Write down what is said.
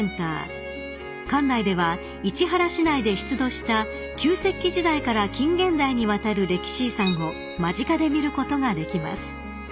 ［館内では市原市内で出土した旧石器時代から近現代にわたる歴史遺産を間近で見ることができます］